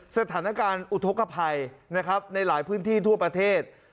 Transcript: สถานการณ์อุทธกภัยนะครับในหลายพื้นที่ทั่วประเทศ